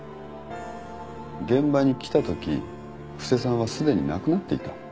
現場に来たとき布施さんはすでに亡くなっていた。